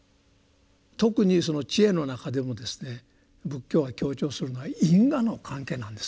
特にその智慧の中でもですね仏教が強調するのは因果の関係なんですね。